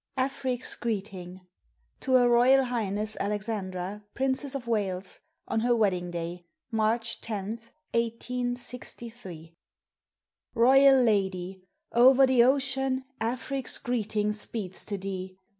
AFRIC'S GREETING TO HER ROYAL HIGHNESS ALEXANDRA, PRINCESS OF WALES, ON HER WEDDING DAY, MARCH 10, 1863. Royal Lady! O'er the ocean Afric's greeting speeds to thee!